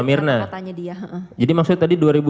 mirna tidak dekat sama katanya dia jadi maksudnya tadi